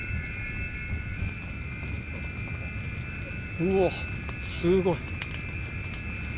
うわっすごい。